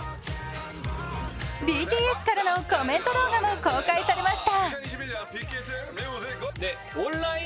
ＢＴＳからのコメント動画も公開されました。